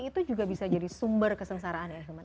itu juga bisa jadi sumber kesengsaraan ya hilman